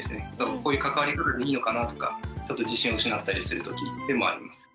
こういう関わり方でいいのかなとかちょっと自信を失ったりする時でもあります。